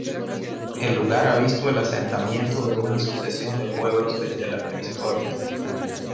El lugar ha visto el asentamiento de una sucesión de pueblos desde la Prehistoria.